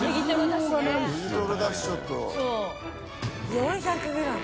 ４００ｇ！